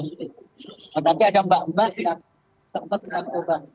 nanti ada mbak mbak yang sempat mengobati